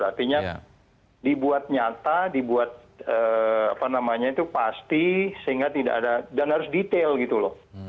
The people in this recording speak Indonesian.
artinya dibuat nyata dibuat apa namanya itu pasti sehingga tidak ada dan harus detail gitu loh